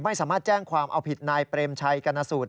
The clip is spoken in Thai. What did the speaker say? ไม่สามารถแจ้งความเอาผิดนายเปรมชัยกรณสูตร